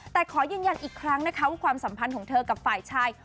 แต่ขอยืนยันอีกครั้งนะคะว่าความสัมพันธ์ของเธอกับฝ่ายชาย